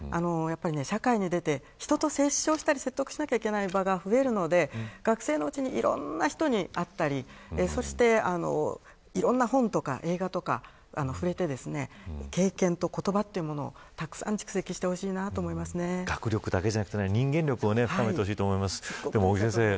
社会に出て人を説得しなきゃいけない場が増えるので学生のうちにいろんな人に会ったりいろんな本とか映画とかに触れて経験と言葉というものをたくさん蓄積してほしい学力だけじゃなくて人間力を高めてほしいと思います。